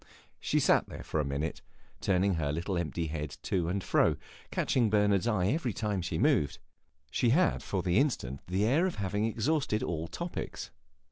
She sat there for a minute, turning her little empty head to and fro, and catching Bernard's eye every time she moved; she had for the instant the air of having exhausted all topics.